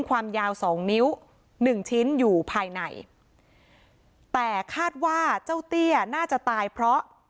ความยาวสองนิ้วหนึ่งชิ้นอยู่ภายในแต่คาดว่าเจ้าเตี้ยน่าจะตายเพราะ